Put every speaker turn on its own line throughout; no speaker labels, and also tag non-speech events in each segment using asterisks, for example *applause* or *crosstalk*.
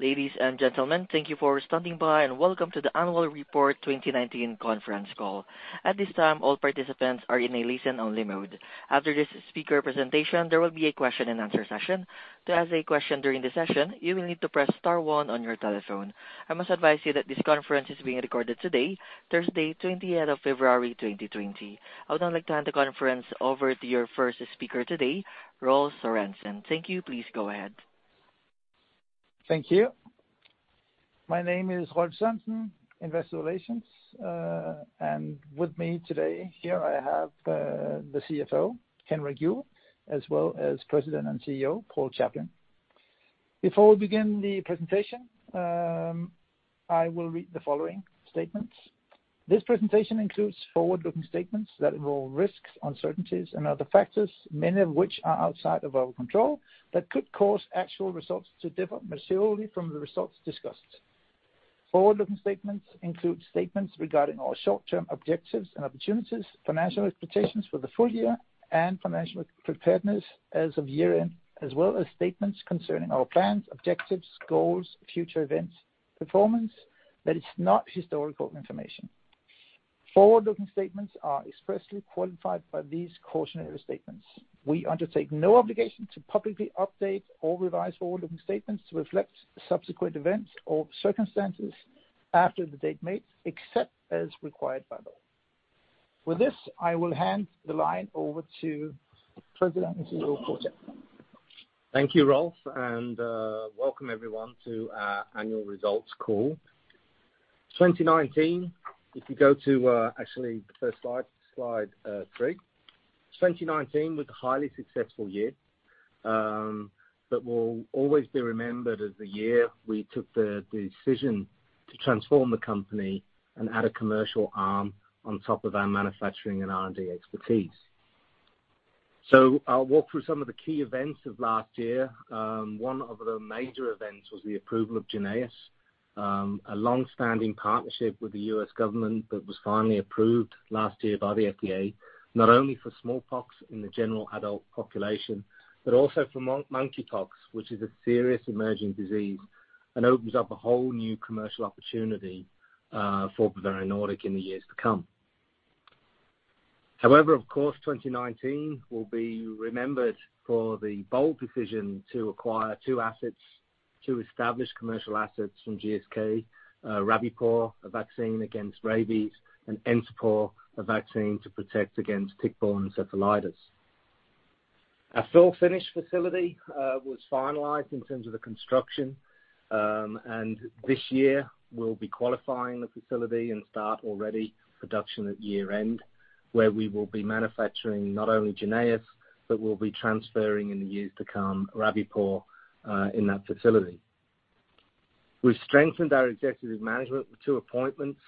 Ladies and gentlemen, thank you for standing by, and welcome to the annual report 2019 conference call. At this time, all participants are in a listen-only mode. After this speaker presentation, there will be a question-and-answer session. To ask a question during the session, you will need to press star one on your telephone. I must advise you that this conference is being recorded today, Thursday, 28th of February, 2020. I would now like to hand the conference over to your first speaker today, Rolf Sørensen. Thank you. Please go ahead.
Thank you. My name is Rolf Sørensen, Investor Relations, with me today, here I have the CFO, Henrik Juuel, as well as President and CEO, Paul Chaplin. Before we begin the presentation, I will read the following statements. This presentation includes forward-looking statements that involve risks, uncertainties, and other factors, many of which are outside of our control, that could cause actual results to differ materially from the results discussed. Forward-looking statements include statements regarding our short-term objectives and opportunities, financial expectations for the full year, and financial preparedness as of year-end, as well as statements concerning our plans, objectives, goals, future events, performance, that is not historical information. Forward-looking statements are expressly qualified by these cautionary statements. We undertake no obligation to publicly update or revise forward-looking statements to reflect subsequent events or circumstances after the date made, except as required by law. With this, I will hand the line over to President and CEO, Paul Chaplin.
Thank you, Rolf, welcome everyone to our annual results call. 2019, if you go to, actually, the first Slide 3. 2019 was a highly successful year that will always be remembered as the year we took the decision to transform the company and add a commercial arm on top of our manufacturing and R&D expertise. I'll walk through some of the key events of last year. One of the major events was the approval of JYNNEOS, a long-standing partnership with the U.S. government that was finally approved last year by the FDA, not only for smallpox in the general adult population, but also for monkeypox, which is a serious emerging disease and opens up a whole new commercial opportunity for Bavarian Nordic in the years to come. Of course, 2019 will be remembered for the bold decision to acquire two assets, two established commercial assets from GSK, Rabipur, a vaccine against rabies, and Encepur, a vaccine to protect against tick-borne encephalitis. Our fill-and-finish facility was finalized in terms of the construction, and this year we'll be qualifying the facility and start already production at year-end, where we will be manufacturing not only JYNNEOS, but we'll be transferring in the years to come, Rabipur, in that facility. We've strengthened our executive management with two appointments,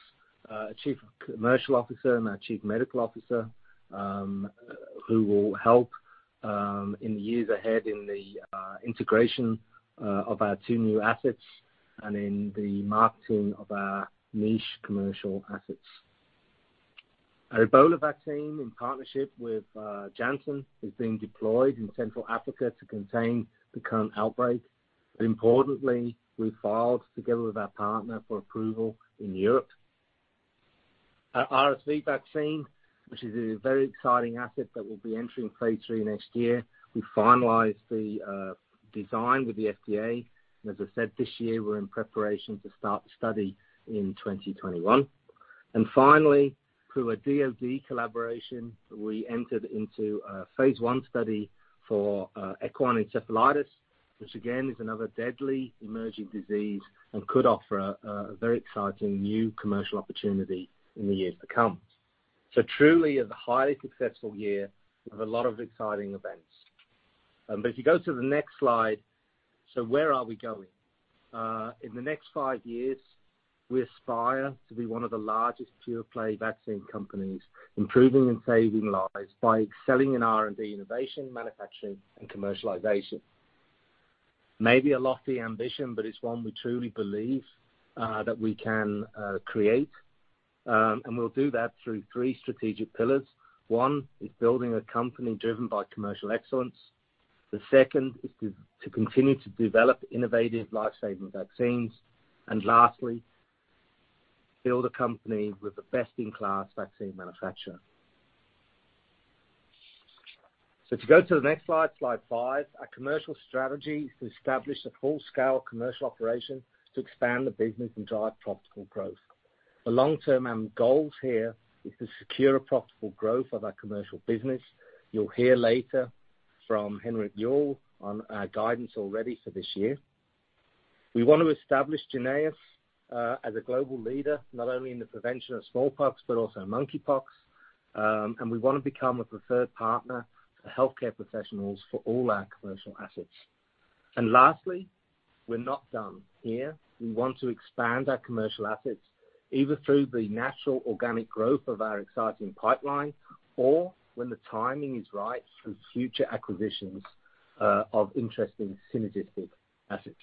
a Chief Commercial Officer and our Chief Medical Officer, who will help in the years ahead in the integration of our two new assets and in the marketing of our niche commercial assets. Our Ebola vaccine, in partnership with Janssen, is being deployed in Central Africa to contain the current outbreak. Importantly, we filed together with our partner for approval in Europe. Our RSV vaccine, which is a very exciting asset that will be entering Phase 3 next year, we finalized the design with the FDA. As I said, this year, we're in preparation to start the study in 2021. Finally, through a DoD collaboration, we entered into a Phase 1 study for equine encephalitis, which again, is another deadly emerging disease and could offer a very exciting new commercial opportunity in the years to come. Truly a highly successful year with a lot of exciting events. If you go to the next slide, where are we going? In the next five years, we aspire to be one of the largest pure-play vaccine companies, improving and saving lives by excelling in R&D, innovation, manufacturing and commercialization. Maybe a lofty ambition, but it's one we truly believe that we can create. We'll do that through three strategic pillars. One, is building a company driven by commercial excellence. The second, is to continue to develop innovative life-saving vaccines. Lastly, build a company with the best-in-class vaccine manufacturer. If you go to the next Slide 5, our commercial strategy is to establish a full-scale commercial operation to expand the business and drive profitable growth. The long-term goals here is to secure a profitable growth of our commercial business. You'll hear later from Henrik Juuel on our guidance already for this year. We want to establish JYNNEOS as a global leader, not only in the prevention of smallpox, but also monkeypox. We want to become a preferred partner for healthcare professionals for all our commercial assets. Lastly, we're not done here. We want to expand our commercial assets, either through the natural organic growth of our exciting pipeline, or when the timing is right, through future acquisitions of interesting synergistic assets.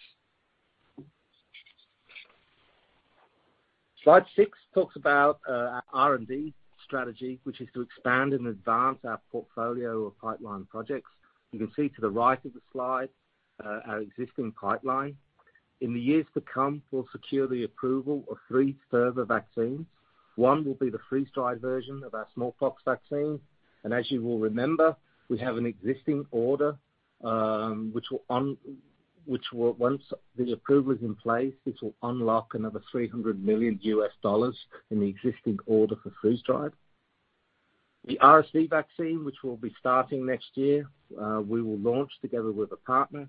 Slide 6 talks about our R&D strategy, which is to expand and advance our portfolio of pipeline projects. You can see to the right of the slide, our existing pipeline. In the years to come, we'll secure the approval of three further vaccines. One will be the freeze-dried version of our smallpox vaccine. As you will remember, we have an existing order, which will, once the approval is in place, unlock another $300 million in the existing order for freeze-dried. The RSV vaccine, which will be starting next year, we will launch together with a partner.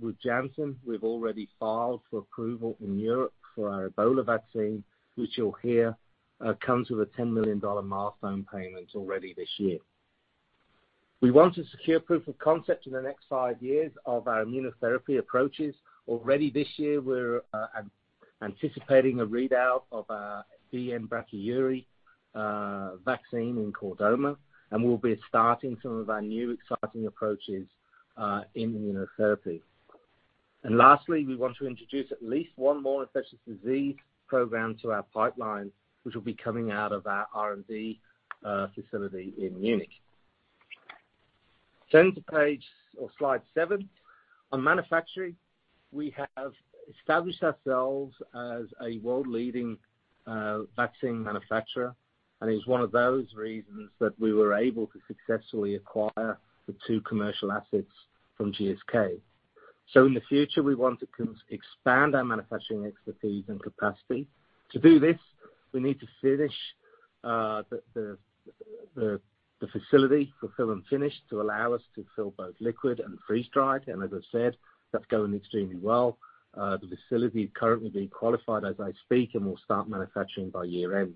With Janssen, we've already filed for approval in Europe for our Ebola vaccine, which you'll hear, comes with a $10 million milestone payment already this year. We want to secure proof of concept in the next five years of our immunotherapy approaches. Already this year, we're anticipating a readout of our BN-Brachyury vaccine in chordoma, and we'll be starting some of our new exciting approaches in immunotherapy. Lastly, we want to introduce at least one more infectious disease program to our pipeline, which will be coming out of our R&D facility in Munich. Turn to Page or Slide 7. On manufacturing, we have established ourselves as a world-leading vaccine manufacturer, and it's one of those reasons that we were able to successfully acquire the two commercial assets from GSK. In the future, we want to expand our manufacturing expertise and capacity. To do this, we need to finish the fill-and-finish facility to allow us to fill both liquid and freeze-dried, and as I said, that's going extremely well. The facility is currently being qualified as I speak, and we'll start manufacturing by year-end.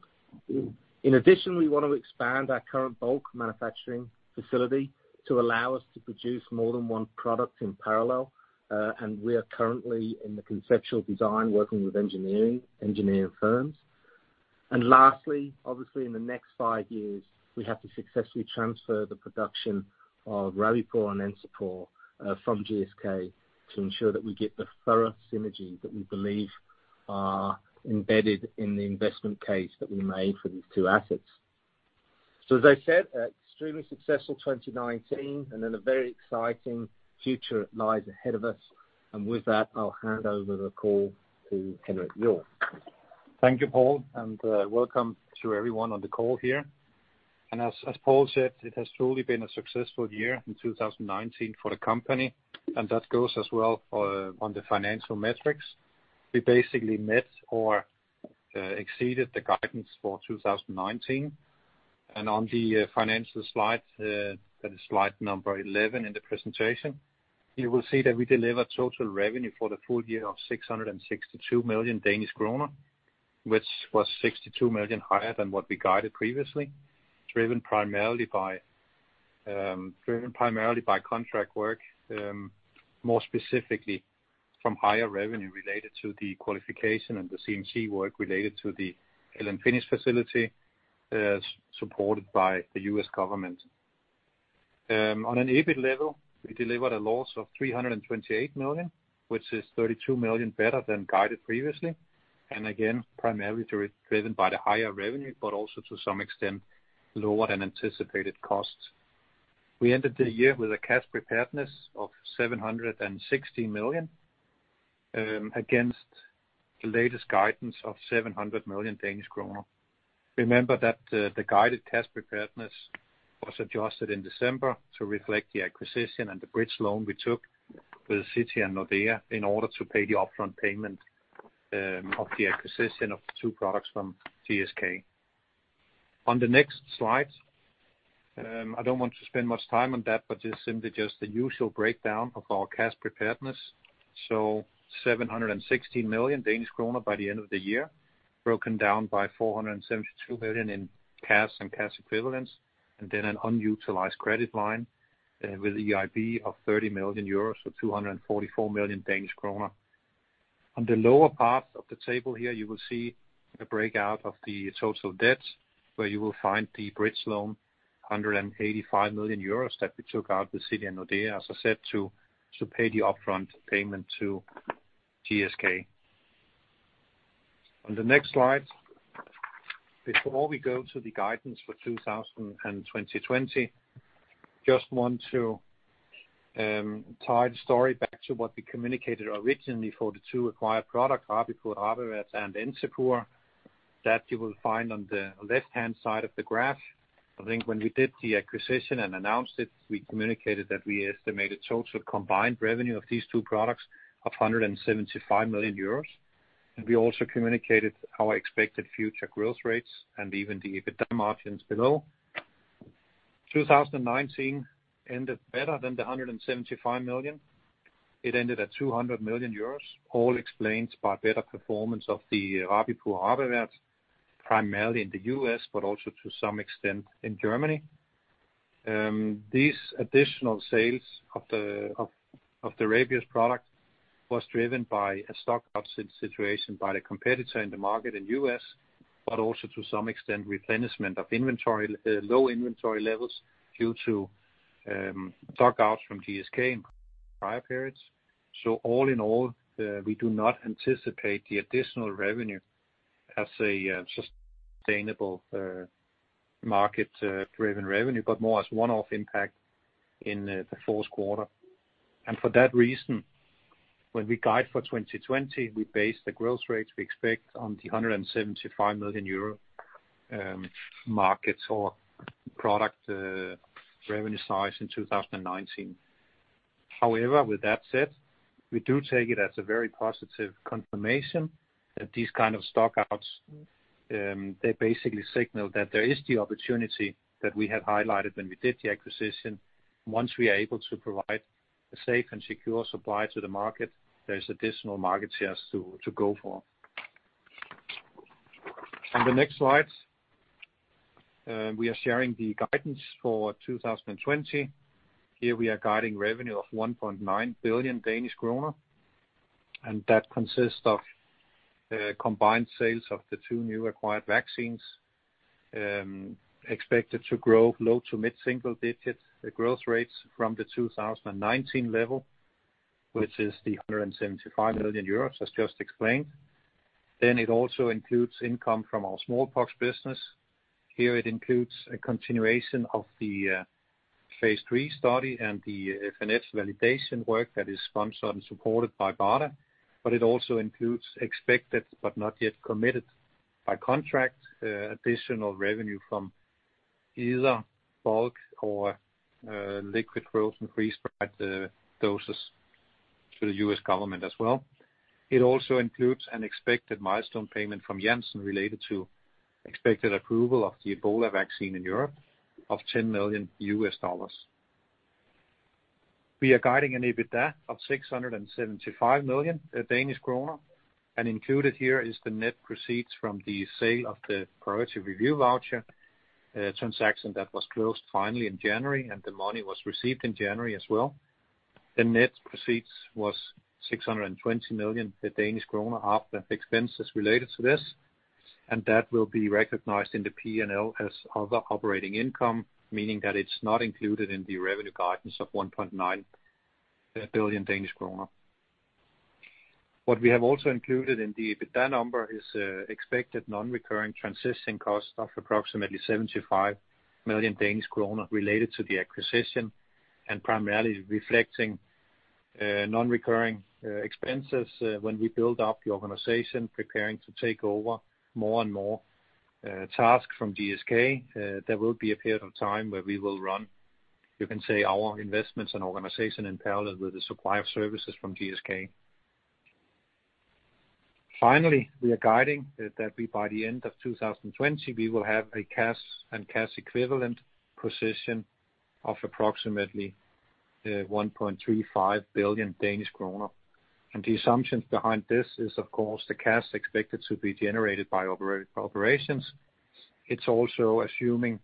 In addition, we want to expand our current bulk manufacturing facility to allow us to produce more than one product in parallel, and we are currently in the conceptual design, working with engineering firms. Lastly, obviously, in the next five years, we have to successfully transfer the production of Rabipur and Encepur from GSK to ensure that we get the thorough synergies that we believe are embedded in the investment case that we made for these two assets. As I said, extremely successful 2019, and then a very exciting future lies ahead of us. With that, I'll hand over the call to Henrik Juuel.
Thank you, Paul, and welcome to everyone on the call here. As Paul said, it has truly been a successful year in 2019 for the company, and that goes as well for, on the financial metrics. We basically met or exceeded the guidance for 2019. On the financial slide, that is Slide number 11 in the presentation, you will see that we delivered total revenue for the full year of 662 million Danish kroner, which was 62 million higher than what we guided previously, driven primarily by driven primarily by contract work, more specifically from higher revenue related to the qualification and the CMC work related to the fill-and-finish facility, as supported by the U.S. government. On an EBIT level, we delivered a loss of 328 million, which is 32 million better than guided previously, and again, primarily driven by the higher revenue, but also to some extent, lower than anticipated costs. We ended the year with a cash preparedness of 760 million against the latest guidance of 700 million Danish kroner. Remember that the guided cash preparedness was adjusted in December to reflect the acquisition and the bridge loan we took with Citi and Nordea in order to pay the upfront payment of the acquisition of the two products from GSK. On the next slide, I don't want to spend much time on that, but it's simply just the usual breakdown of our cash preparedness. 760 million Danish kroner by the end of the year, broken down by 472 million in cash and cash equivalents, and then an unutilized credit line with a EIB of 30 million euros, or 244 million Danish kroner. On the lower part of the table here, you will see a breakout of the total debt, where you will find the bridge loan, 185 million euros, that we took out with Citi and Nordea, as I said, to pay the upfront payment to GSK. On the next slide, before we go to the guidance for 2020, just want to tie the story back to what we communicated originally for the two acquired products, Rabipur/RabAvert, and Encepur, that you will find on the left-hand side of the graph. I think when we did the acquisition and announced it, we communicated that we estimated total combined revenue of these two products of 175 million euros. We also communicated our expected future growth rates and even the EBITDA margins below. 2019 ended better than the 175 million. It ended at 200 million euros, all explained by better performance of the Rabipur/RabAvert, primarily in the U.S., but also to some extent in Germany. These additional sales of the rabies product was driven by a stock absence situation by the competitor in the market in U.S., but also to some extent, replenishment of inventory, low inventory levels due to stockouts from GSK in prior periods. All in all, we do not anticipate the additional revenue as a sustainable market driven revenue, but more as one-off impact in the fourth quarter. For that reason, when we guide for 2020, we base the growth rates we expect on the 175 million euro market or product revenue size in 2019. However, with that said, we do take it as a very positive confirmation that these kind of stockouts, they basically signal that there is the opportunity that we had highlighted when we did the acquisition. Once we are able to provide a safe and secure supply to the market, there's additional market shares to go for. On the next slide, we are sharing the guidance for 2020. Here we are guiding revenue of 1.9 billion Danish kroner, and that consists of combined sales of the two new acquired vaccines, expected to grow low to mid-single digits. The growth rates from the 2019 level, which is 175 million euros, as just explained. It also includes income from our smallpox business. Here, it includes a continuation of the Phase 3 study and the FnF validation work that is sponsored and supported by BARDA, but it also includes expected, but not yet committed by contract, additional revenue from either bulk or liquid frozen freeze-dried doses to the U.S. government as well. It also includes an expected milestone payment from Janssen related to expected approval of the Ebola vaccine in Europe of $10 million. We are guiding an EBITDA of 675 million Danish kroner, and included here is the net proceeds from the sale of the priority review voucher transaction that was closed finally in January, and the money was received in January as well. The net proceeds was 620 million after expenses related to this, and that will be recognized in the P&L as other operating income, meaning that it's not included in the revenue guidance of 1.9 billion Danish kroner. What we have also included in the EBITDA number is expected non-recurring transitioning costs of approximately 75 million Danish kroner related to the acquisition, and primarily reflecting non-recurring expenses when we build up the organization, preparing to take over more and more tasks from GSK. There will be a period of time where we will run, you can say, our investments and organization in parallel with the supply of services from GSK. Finally, we are guiding that by the end of 2020, we will have a cash and cash equivalent position of approximately 1.35 billion Danish kroner. The assumptions behind this is, of course, the cash expected to be generated by operations. It's also assuming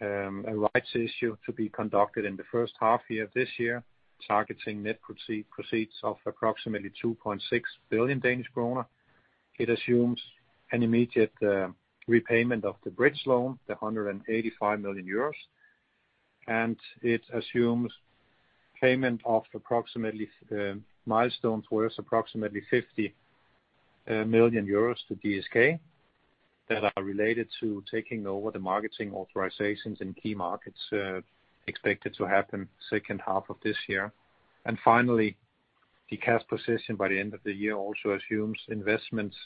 a rights issue to be conducted in the first half year of this year, targeting net proceeds of approximately 2.6 billion Danish kroner. It assumes an immediate repayment of the bridge loan, the 185 million euros, and it assumes payment of approximately milestones worth approximately 50 million euros to GSK that are related to taking over the marketing authorizations in key markets, expected to happen second half of this year. Finally, the cash position by the end of the year also assumes investments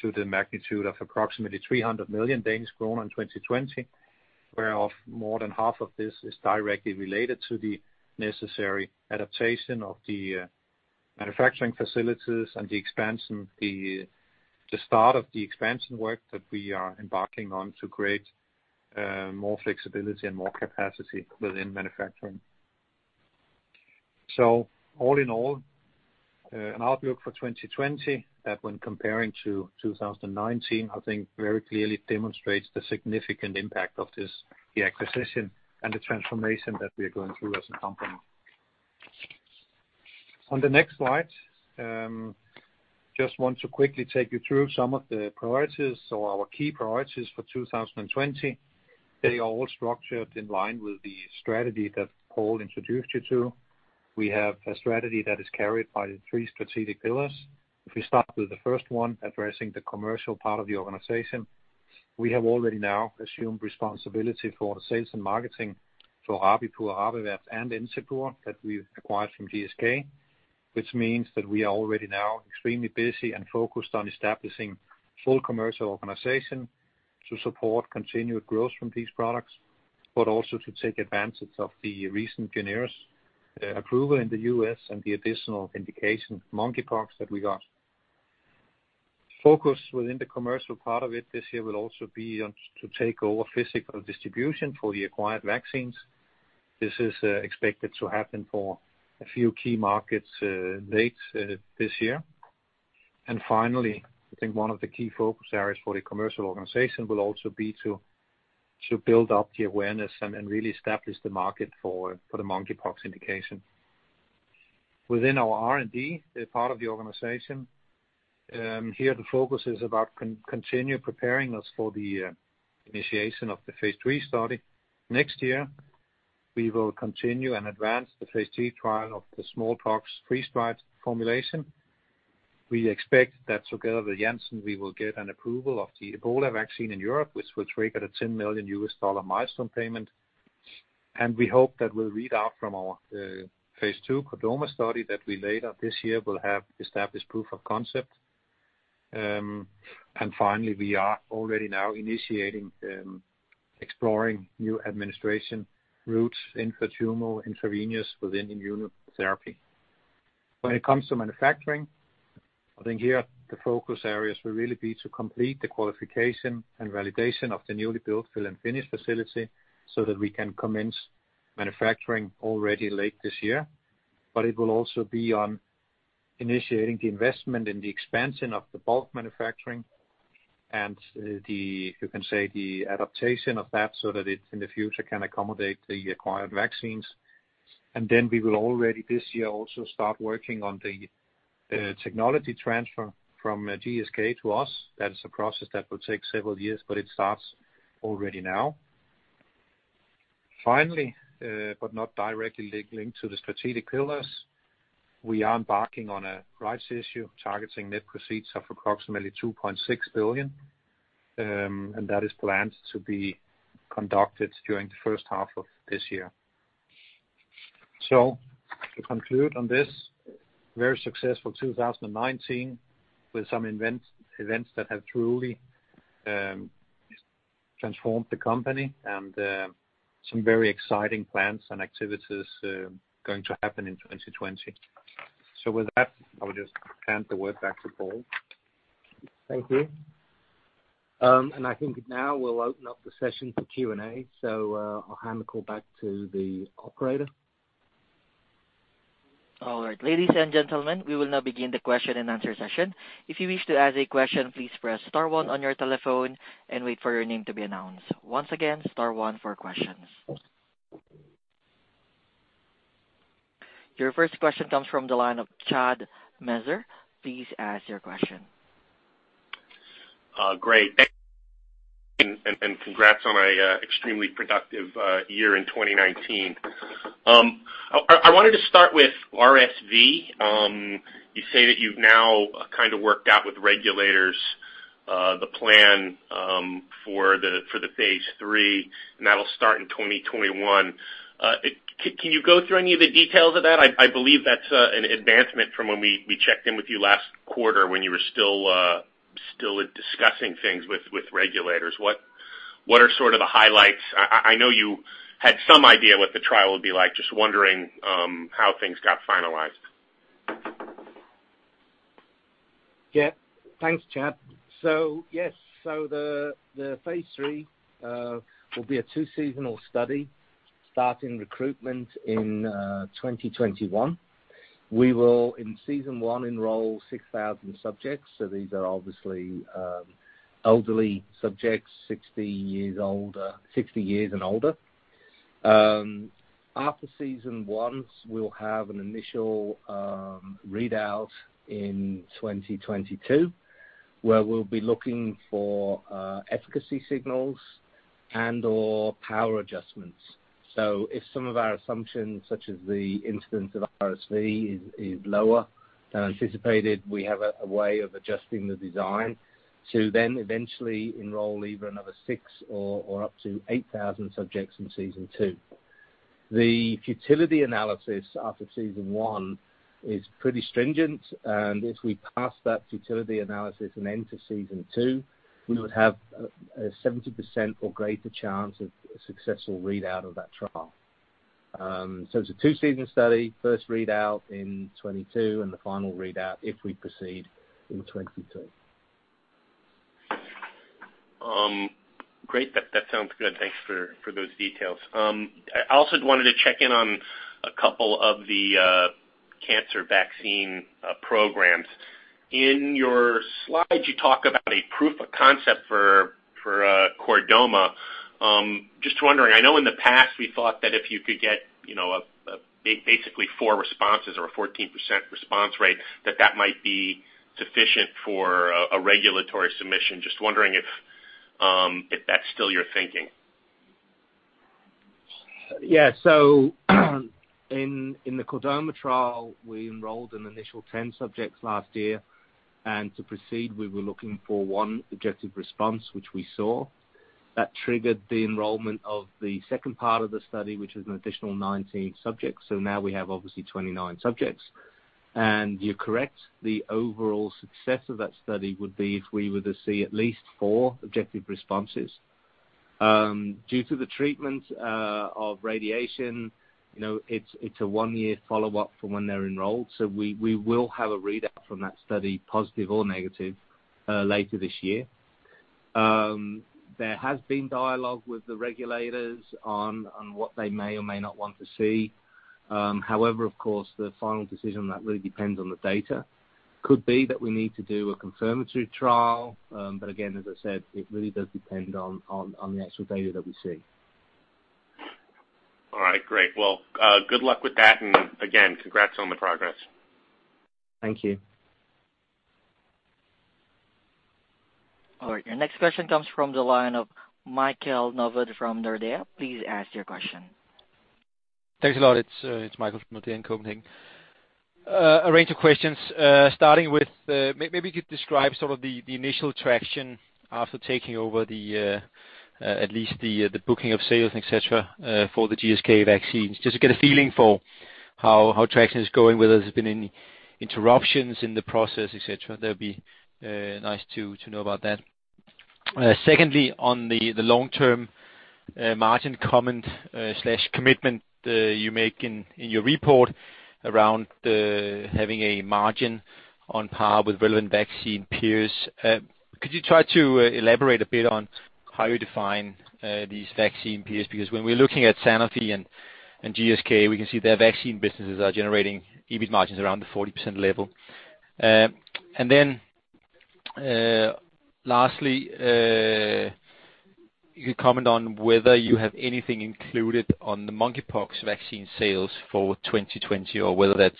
to the magnitude of approximately 300 million Danish kroner in 2020, where of more than half of this is directly related to the necessary adaptation of the manufacturing facilities and the start of the expansion work that we are embarking on to create more flexibility and more capacity within manufacturing. All in all, an outlook for 2020, that when comparing to 2019, I think very clearly demonstrates the significant impact of this, the acquisition and the transformation that we are going through as a company. On the next slide, just want to quickly take you through some of the priorities or our key priorities for 2020. They are all structured in line with the strategy that Paul introduced you to. We have a strategy that is carried by the three strategic pillars. If we start with the first one, addressing the commercial part of the organization, we have already now assumed responsibility for the sales and marketing for Rabipur/RabAvert, and Encepur, that we've acquired from GSK, which means that we are already now extremely busy and focused on establishing full commercial organization to support continued growth from these products, but also to take advantage of the recent JYNNEOS approval in the U.S. and the additional indication monkeypox that we got. Focus within the commercial part of it this year will also be on to take over physical distribution for the acquired vaccines. This is expected to happen for a few key markets, dates, this year. Finally, I think one of the key focus areas for the commercial organization will also be to build up the awareness and really establish the market for the monkeypox indication. Within our R&D, a part of the organization, here, the focus is about continue preparing us for the initiation of the Phase 3 study. Next year, we will continue and advance the Phase 3 trial of the smallpox freeze-dried formulation. We expect that together with Janssen, we will get an approval of the Ebola vaccine in Europe, which will trigger a $10 million milestone payment. We hope that we'll read out from our Phase 2 chordoma study that we made up this year, will have established proof of concept. Finally, we are already now initiating exploring new administration routes intratumoral intravenous within immunotherapy. When it comes to manufacturing, I think here the focus areas will really be to complete the qualification and validation of the newly built fill-and-finish facility so that we can commence manufacturing already late this year. It will also be on initiating the investment in the expansion of the bulk manufacturing and the, you can say, the adaptation of that so that it, in the future, can accommodate the acquired vaccines. We will already this year also start working on the technology transfer from GSK to us. That is a process that will take several years, it starts already now. Finally, not directly linked to the strategic pillars, we are embarking on a rights issue, targeting net proceeds of approximately 2.6 billion, that is planned to be conducted during the first half of this year. To conclude on this very successful 2019, with some events that have truly transformed the company and some very exciting plans and activities going to happen in 2020. With that, I will just hand the word back to Paul.
Thank you. I think now we'll open up the session for Q&A. I'll hand the call back to the operator.
All right. Ladies and gentlemen, we will now begin the question-and-answer session. If you wish to ask a question, please press star one on your telephone and wait for your name to be announced. Once again, star one for questions. Your first question comes from the line of Chad Messer. Please ask your question.
Great. Thank you, and congrats on a extremely productive year in 2019. I wanted to start with RSV. You say that you've now kind of worked out with regulators the plan for the Phase III, and that'll start in 2021. Can you go through any of the details of that? I believe that's an advancement from when we checked in with you last quarter when you were still discussing things with regulators. What are sort of the highlights? I know you had some idea what the trial would be like. Just wondering how things got finalized.
Yeah. Thanks, Chad. Yes, the Phase 3 will be a two seasonal study, starting recruitment in 2021. We will, in season one, enroll 6,000 subjects. These are obviously elderly subjects, 60 years and older. After season one, we'll have an initial readout in 2022, where we'll be looking for efficacy signals and/or power adjustments. If some of our assumptions, such as the incidence of RSV, is lower than anticipated, we have a way of adjusting the design to then eventually enroll either another 6,000 or up to 8,000 subjects in season two. The futility analysis after season one is pretty stringent, and if we pass that futility analysis and enter season two, we would have a 70% or greater chance of a successful readout of that trial. It's a two-season study, first readout in 2022, and the final readout, if we proceed, in 2023.
Great. That, that sounds good. Thanks for those details. I also wanted to check in on a couple of the cancer vaccine programs. In your slide, you talk about a proof-of-concept for chordoma. Just wondering, I know in the past we thought that if you could get, you know, a basically four responses or a 14% response rate, that that might be sufficient for a regulatory submission. Just wondering if that's still your thinking.
In the chordoma trial, we enrolled an initial 10 subjects last year, and to proceed, we were looking for one objective response, which we saw. That triggered the enrollment of the second part of the study, which is an additional 19 subjects, so now we have obviously 29 subjects. You're correct, the overall success of that study would be if we were to see at least four objective responses. Due to the treatment of radiation, you know, it's a one-year follow-up from when they're enrolled, so we will have a readout from that study, positive or negative, later this year. There has been dialogue with the regulators on what they may or may not want to see. However, of course, the final decision, that really depends on the data. Could be that we need to do a confirmatory trial, but again, as I said, it really does depend on the actual data that we see.
All right, great. Well, good luck with that, and again, congrats on the progress.
Thank you.
All right, our next question comes from the line of Michael Novod from Nordea. Please ask your question.
Thanks a lot. It's Michael from Nordea in Copenhagen. A range of questions, starting with, maybe you could describe sort of the initial traction after taking over the, at least the booking of sales, et cetera, for the GSK vaccines, just to get a feeling for how traction is going, whether there's been any interruptions in the process, et cetera. That'd be nice to know about that. Secondly, on the long term margin comment/commitment, you make in your report around having a margin on par with relevant vaccine peers. Could you try to elaborate a bit on how you define these vaccine peers? When we're looking at Sanofi and GSK, we can see their vaccine businesses are generating EBIT margins around the 40% level. Then, lastly, you could comment on whether you have anything included on the monkeypox vaccine sales for 2020, or whether that's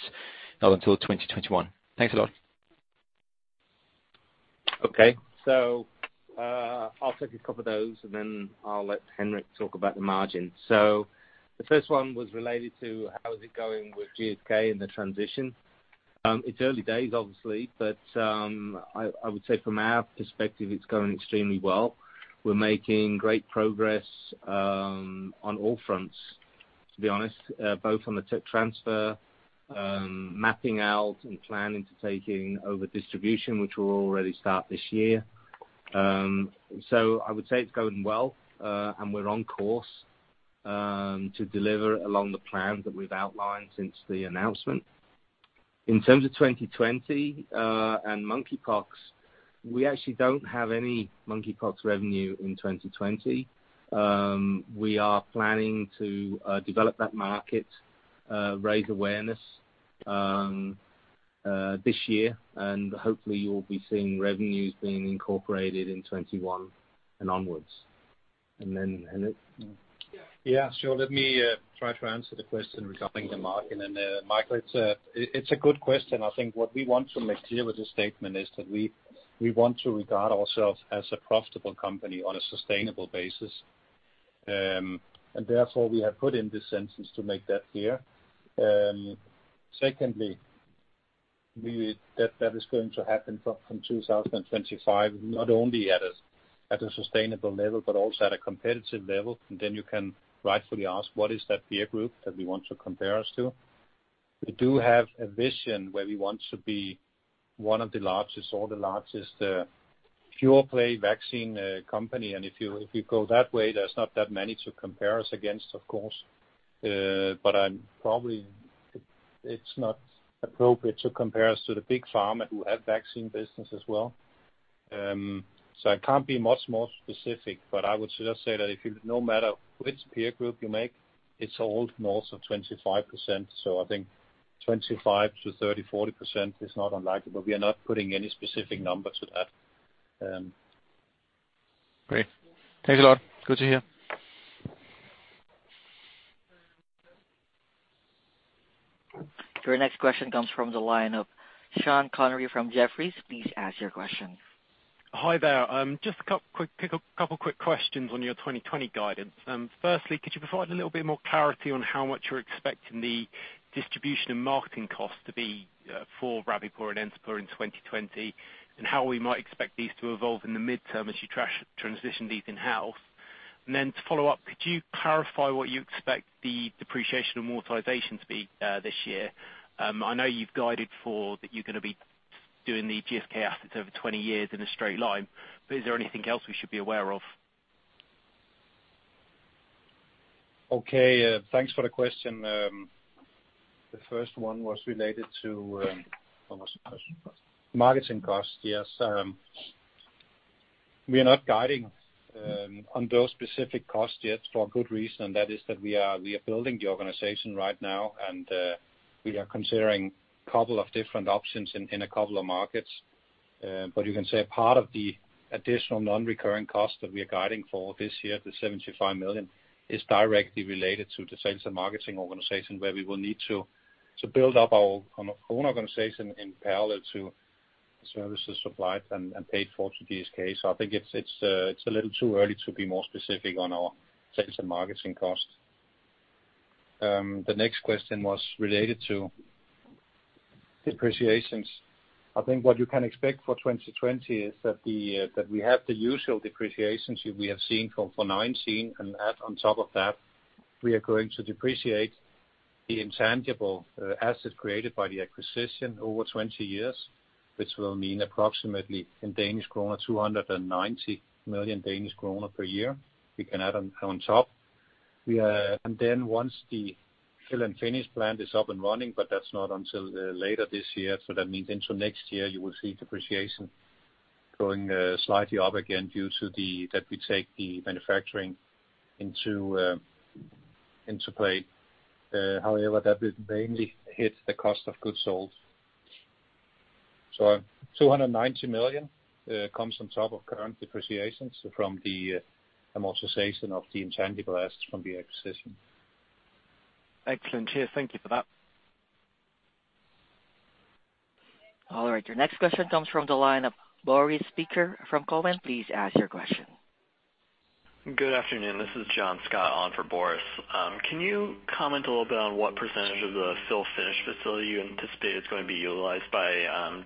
not until 2021. Thanks a lot.
Okay. I'll take a couple of those, and then I'll let Henrik talk about the margin. The first one was related to how is it going with GSK and the transition. It's early days, obviously, but I would say from our perspective, it's going extremely well. We're making great progress on all fronts, to be honest, both on the tech transfer, mapping out and planning to taking over distribution, which will already start this year. I would say it's going well, and we're on course to deliver along the plan that we've outlined since the announcement. In terms of 2020 and monkeypox, we actually don't have any monkeypox revenue in 2020. We are planning to develop that market, raise awareness, this year, and hopefully you'll be seeing revenues being incorporated in 2021 and onwards. Henrik?
Yeah, sure. Let me try to answer the question regarding the margin. Michael, it's a good question. I think what we want to make clear with this statement is that we want to regard ourselves as a profitable company on a sustainable basis, and therefore we have put in this sentence to make that clear. Secondly, that is going to happen from 2025, not only at a sustainable level, but also at a competitive level. Then you can rightfully ask, what is that peer group that we want to compare us to? We do have a vision where we want to be one of the largest or the largest pure play vaccine company. If you go that way, there's not that many to compare us against, of course. I'm probably, it's not appropriate to compare us to the big pharma who have vaccine business as well. I can't be much more specific, but I would just say that if you, no matter which peer group you make, it's all north of 25%. I think 25%-30%, 40% is not unlikely, but we are not putting any specific number to that.
Great. Thanks a lot. Good to hear.
Your next question comes from the line of *audio distortion* from Jefferies. Please ask your question.
Hi there. Just a couple quick questions on your 2020 guidance. Firstly, could you provide a little bit more clarity on how much you're expecting the distribution and marketing costs to be for Rabipur and Encepur in 2020, and how we might expect these to evolve in the midterm as you transition these in-house? To follow up, could you clarify what you expect the depreciation and amortization to be this year? I know you've guided for that you're gonna be doing the GSK assets over 20 years in a straight line, but is there anything else we should be aware of?
Okay. Thanks for the question. The first one was related to, what was the first one? Marketing costs. Yes. We are not guiding on those specific costs yet, for a good reason. That is that we are building the organization right now, and we are considering couple of different options in a couple of markets. But you can say a part of the additional non-recurring costs that we are guiding for this year, the 75 million, is directly related to the sales and marketing organization, where we will need to build up our own organization in parallel to services supplied and paid for to GSK. I think it's a little too early to be more specific on our sales and marketing costs. The next question was related to depreciations. I think what you can expect for 2020 is that we have the usual depreciations that we have seen for 2019, and add on top of that, we are going to depreciate the intangible assets created by the acquisition over 20 years, which will mean approximately in Danish kroner, 290 million Danish kroner per year we can add on top. Once the fill-and-finish plant is up and running, but that's not until later this year, so that means into next year you will see depreciation going slightly up again due to that we take the manufacturing into play. However, that will mainly hit the cost of goods sold. 290 million, comes on top of current depreciations from the amortization of the intangible assets from the acquisition.
Excellent. Cheers. Thank you for that.
All right, your next question comes from the line of Boris Peaker from Cowen. Please ask your question.
Good afternoon. This is John Scott on for Boris. Can you comment a little bit on what percentage of the fill-and-finish facility you anticipate is going to be utilized by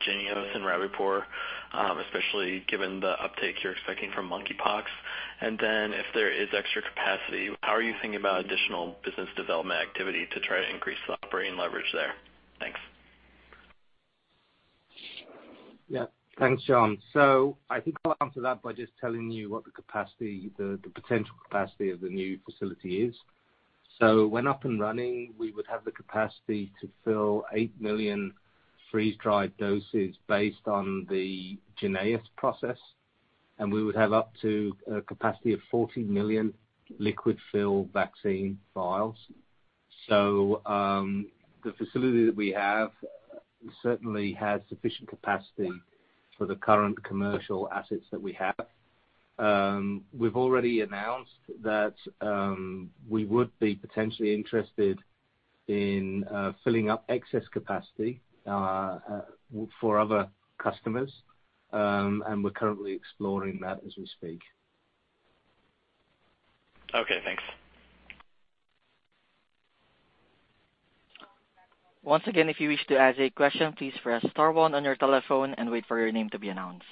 JYNNEOS and Rabipur, especially given the uptake you're expecting from monkeypox? If there is extra capacity, how are you thinking about additional business development activity to try to increase the operating leverage there? Thanks.
Yeah. Thanks, John. I think I'll answer that by just telling you what the potential capacity of the new facility is. When up and running, we would have the capacity to fill 8 million freeze-dried doses based on the JYNNEOS process, and we would have up to a capacity of 40 million liquid-filled vaccine vials. The facility that we have certainly has sufficient capacity for the current commercial assets that we have. We've already announced that we would be potentially interested in filling up excess capacity for other customers. We're currently exploring that as we speak.
Okay, thanks.
Once again, if you wish to ask a question, please press star one on your telephone and wait for your name to be announced.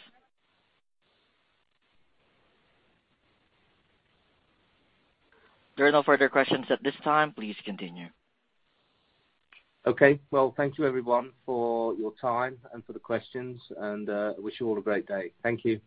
There are no further questions at this time. Please continue.
Okay. Well, thank you everyone for your time and for the questions, and wish you all a great day. Thank you.